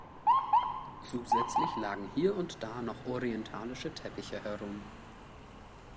Zusätzlich lagen hier und da noch orientalische Teppiche herum.